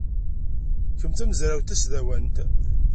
Kemm d tamezrawt tasdawant?